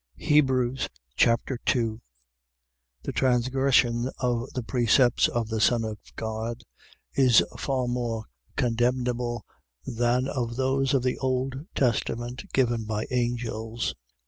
Hebrews Chapter 2 The transgression of the precepts of the Son of God is far more condemnable than of those of the Old Testament given by angels.